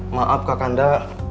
maaf kak kanda